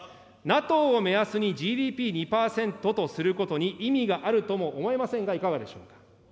ＮＡＴＯを目安にＧＤＰ２％とすることに意味があるとも思えませんが、いかがでしょうか。